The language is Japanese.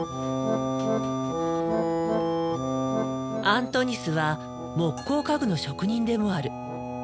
アントニスは木工家具の職人でもある。